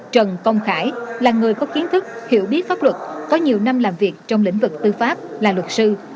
trần công khải là người có kiến thức hiểu biết pháp luật có nhiều năm làm việc trong lĩnh vực tư pháp là luật sư